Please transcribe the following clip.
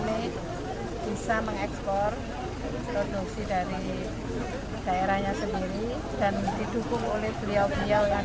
ini bisa mengekspor produksi dari daerahnya sendiri dan didukung oleh beliau beliau yang